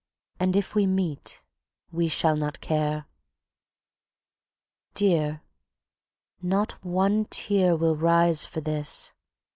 and if we meet We shall not care. Dear... not one tear will rise for this...